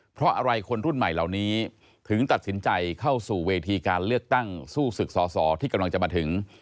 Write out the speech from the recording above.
เพราะอะไรคนรุ่นใหม่เหล่านี้ถึงตัดสินใจเข้าสู่เวทีการเลือกตั้งสู้ศึกสอสอที่กำลังจะมาถึง